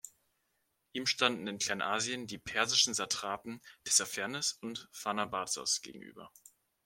Ihm standen in Kleinasien die persischen Satrapen Tissaphernes und Pharnabazos gegenüber.